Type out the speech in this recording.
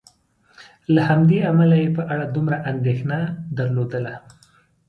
له همدې امله یې په اړه دومره اندېښنه نه درلودله.